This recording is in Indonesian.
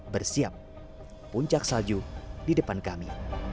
bersiap puncak salju di depan kami